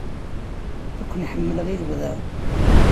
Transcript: Ad ken-ḥemmleɣ i lebda.